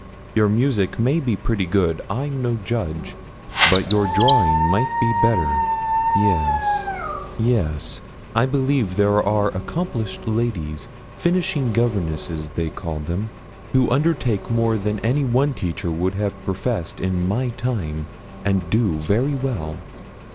Your music may be pretty good I'm no judge but your drawing might be better yes yes. I believe there are accomplished ladies finishing governesses, they call them who undertake more than any one teacher would have professed in my time, and do very well.